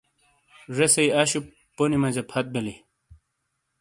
زیسئی انشُپ پونی مجا پھت بیلی۔